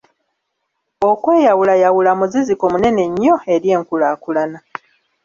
Okweyawulayawula muziziko munene nnyo eri enkulaakulana.